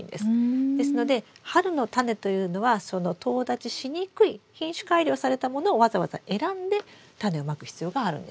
ですので春のタネというのはそのとう立ちしにくい品種改良されたものをわざわざ選んでタネをまく必要があるんです。